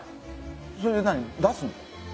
それで何出すの？